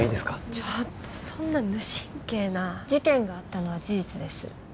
ちょっとそんな無神経な事件があったのは事実です